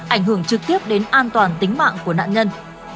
ảnh hưởng trực tiếp đến an toàn tính mạng của nạn nhân